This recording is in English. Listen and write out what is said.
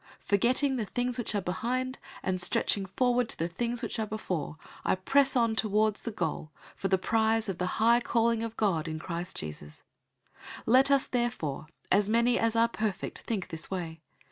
Forgetting the things which are behind, and stretching forward to the things which are before, 003:014 I press on toward the goal for the prize of the high calling of God in Christ Jesus. 003:015 Let us therefore, as many as are perfect, think this way.